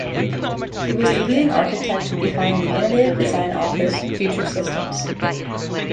He was the leading architect behind the innovative design office, Future Systems.